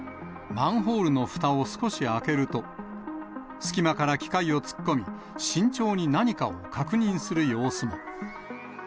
マンホールのふたを少し開けると、隙間から機械を突っ込み、慎重に何かを確認する様子も。